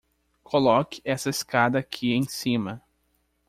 Coloque essa escada aqui em cima.